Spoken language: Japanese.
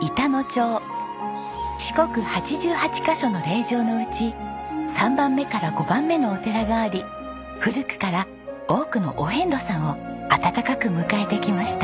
四国八十八ヶ所の霊場のうち３番目から５番目のお寺があり古くから多くのお遍路さんを温かく迎えてきました。